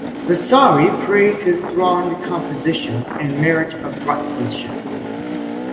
Vasari praised his thronged compositions and merit of draughtsmanship.